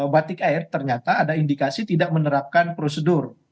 batik air ternyata ada indikasi tidak menerapkan prosedur